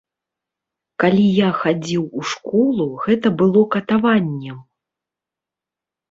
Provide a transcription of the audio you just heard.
Калі я хадзіў у школу, гэта было катаваннем.